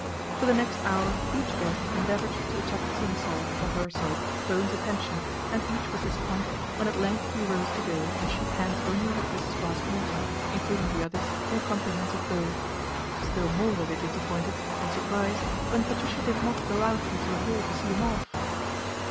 For the next hour each guest endeavoured to 204 PATRICIA BRENT, SPINSTER attract to himself or herself Bowen's attention, and each was disappointed when at length he rose to go and shook hands only with Mrs. Craske Morton, including the others in a comprehensive bow. Still more were they disappointed and surprised when Patricia did not go out into the hall to see him off.